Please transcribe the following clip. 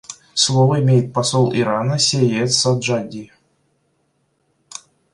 Слово имеет посол Ирана Сейед Саджади.